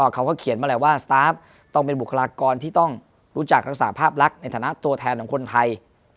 เขาก็เขียนมาแหละว่าสตาฟต้องเป็นบุคลากรที่ต้องรู้จักรักษาภาพลักษณ์ในฐานะตัวแทนของคนไทย